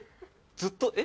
ずっとえっ？